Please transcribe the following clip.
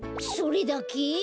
それだけ？